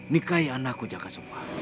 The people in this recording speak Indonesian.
nikahi anakku jakasubah